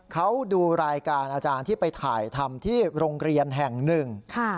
เขาดูรายการอาจารย์ที่ไปถ่ายทำที่โรงเรียนแห่งหนึ่ง